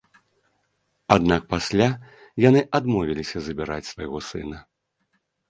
Аднак пасля яны адмовіліся забіраць свайго сына.